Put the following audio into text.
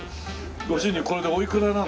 ご主人これでおいくらなの？